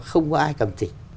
không có ai cầm chỉnh